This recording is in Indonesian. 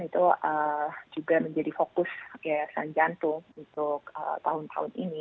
itu juga menjadi fokus yayasan jantung untuk tahun tahun ini